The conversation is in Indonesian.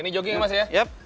ini jogging mas ya